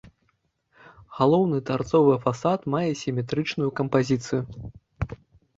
Галоўны тарцовы фасад мае сіметрычную кампазіцыю.